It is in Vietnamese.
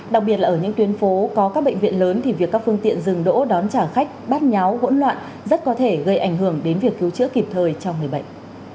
đặc biệt là ở những tuyến phố có các bệnh viện lớn thì việc các phương tiện dừng đỗ đón trả khách bát nháo hỗn loạn rất có thể gây ảnh hưởng đến việc cứu chữa kịp thời cho người bệnh